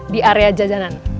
di area jajanan